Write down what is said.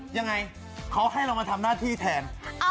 ยังไงเขาให้เรามาทำหน้าที่แทน